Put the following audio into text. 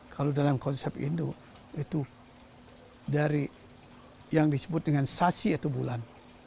kalau dalam konsep indo itu dari yang disebut dengan sasi atau bulan